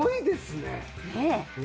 ねえ。